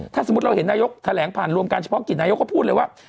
ถ้าสมมุติเราเห็นนายกแถลงผ่านรวมการเฉพาะกิจนายกเขาพูดเลยว่า